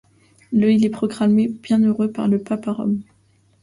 Le il est proclamé bienheureux par le pape à Rome.